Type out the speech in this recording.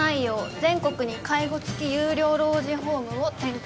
全国に介護つき有料老人ホームを展開